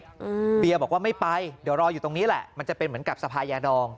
เบียบอกว่าไม่ไปเดี๋ยวรออยู่ตรงนี้แหละมันจะเป็นเหมือนกับสภายาดอง